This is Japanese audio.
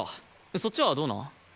そっちはどうなん？